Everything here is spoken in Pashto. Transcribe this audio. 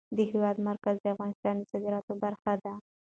د هېواد مرکز د افغانستان د صادراتو برخه ده.